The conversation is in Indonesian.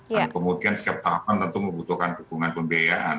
dan kemudian setiap tahapan tentu membutuhkan dukungan pembiayaan